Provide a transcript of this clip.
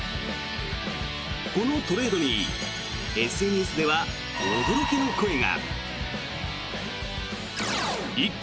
このトレードにＳＮＳでは驚きの声が。